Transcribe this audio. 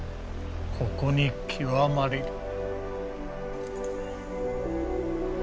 ここに極まれり。